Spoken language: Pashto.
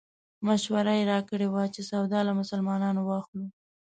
مشوره یې راکړې وه چې سودا له مسلمانانو واخلو.